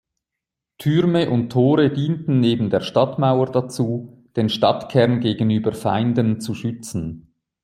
Türme und Tore dienten neben der Stadtmauer dazu, den Stadtkern gegenüber Feinden zu schützen.